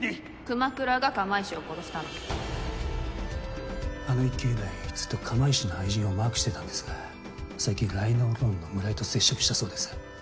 熊倉があの一件以来ずっと釜石の愛人をマークしてたんですが最近ライノーローンの村井と接触したそうです。